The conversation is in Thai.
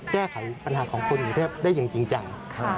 แก้ไขปัญหาของคนกรุงเทพได้อย่างจริงจัง